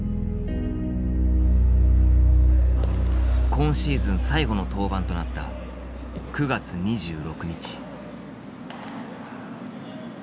今シーズン最後の登板となった９月２６日。